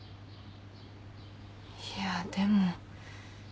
いやでも。